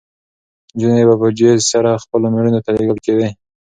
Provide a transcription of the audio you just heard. نجونې به په جېز سره خپلو مېړونو ته لېږل کېدې.